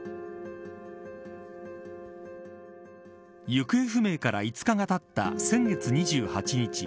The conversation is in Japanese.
行方不明から５日がたった先月２８日。